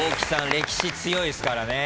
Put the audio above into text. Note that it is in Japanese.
歴史強いっすからね。